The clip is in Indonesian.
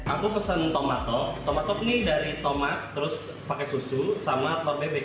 aku pesen tomat top tomat top ini dari tomat terus pakai susu sama telur bebek